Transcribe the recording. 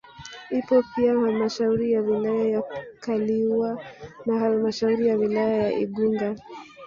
Ipo pia halmashauri ya wilaya ya Kaliua na halmashauri ya wilaya ya Igunga